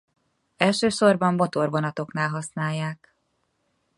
Elsősorban motorvonatoknál használják.